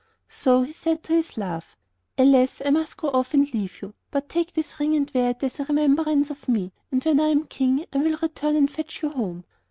So he said to his love: 'Alas! I must go off and leave you, but take this ring and wear it as a remembrance of me, and when I am King I will return and fetch you home.